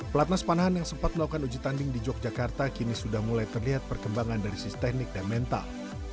pelatnas panahan yang sempat melakukan uji tanding di yogyakarta kini sudah mulai terlihat perkembangan dari sisi teknik dan mental